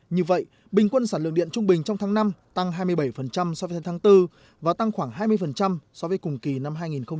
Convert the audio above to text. như vậy bình quân sản lượng điện trung bình trong tháng năm tăng hai mươi bảy so với tháng bốn và tăng khoảng hai mươi so với cùng kỳ năm hai nghìn một mươi chín